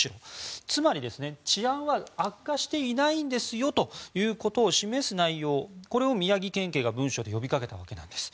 つまり治安は悪化していないんですよと示す内容を宮城県警が文書で呼びかけたわけです。